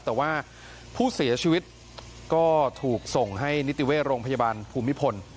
แต่ว่าผู้เสียชีวิตก็ถูกส่งให้นิติเวชโรงพยาบาลภูมิพล